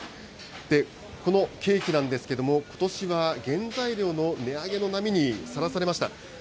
このケーキなんですけども、ことしは原材料の値上げの波にさらされました。